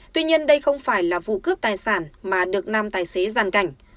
tuy nhiên đây không phải là vụ cướp tài sản mà được nam tài xế giàn cảnh